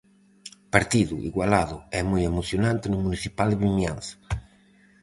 Partido igualado e moi emocionante no municipal de Vimianzo.